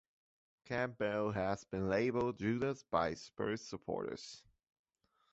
Campbell has been labelled "Judas" by some Spurs supporters.